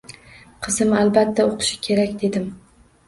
Qizim, albatta, o`qishi kerak dedim